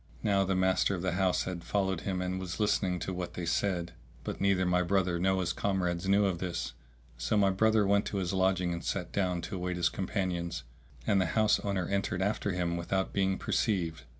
Now the master of the house had followed him and was listening to what they said; but neither my brother nor his comrades knew of this. So my brother went to his lodging and sat down to await his companions, and the house owner entered after him without being perceived.